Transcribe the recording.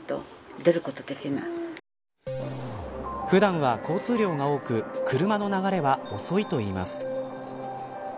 普段は交通量が多く車の流れは遅いといいます。